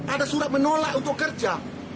ada surat menolak untuk kerja